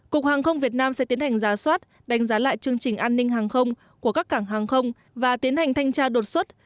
cục hàng không việt nam sẽ tiến hành giá soát đánh giá lại chương trình an ninh hàng không của các cảng hàng không và tiến hành thanh tra đột xuất